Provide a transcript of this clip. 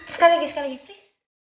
sekali lagi sekali lagi